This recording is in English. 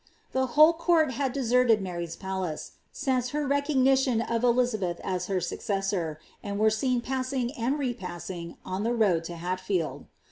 The whole court had deserted Mary's palace, since her recognition of Elizabeth as her successor, and were seen passing and repassing, on the road to Hatfield.